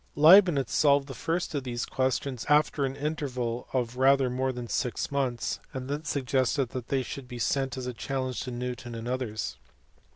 Leibnitz solved the first of these questions after an interval of rather more than six months, and then suggested they should be sent as a challenge to Newton and others.